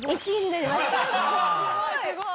すごーい！